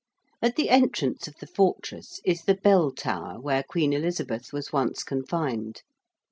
At the entrance of the fortress is the Bell Tower where Queen Elizabeth was once confined.